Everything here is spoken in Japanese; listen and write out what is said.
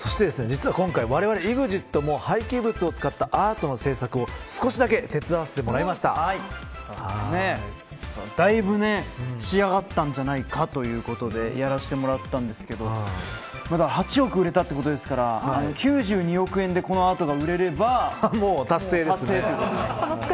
実は今回われわれＥＸＩＴも廃棄物を使ったアートの制作を少しだけ手伝わせてだいぶ仕上がったんじゃないかということでやらしてもらったんですけど８億売れたということですから９２億円でこのアートが売れれば達成ですね。